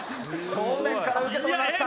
正面から受け止めました。